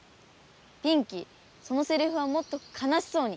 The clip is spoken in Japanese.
ピンキーそのセリフはもっとかなしそうに。